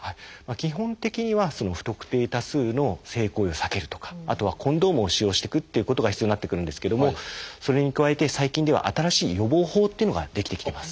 基本的には不特定多数の性行為を避けるとかあとはコンドームを使用してくということが必要になってくるんですけどもそれに加えて最近では新しい予防法っていうのが出来てきてます。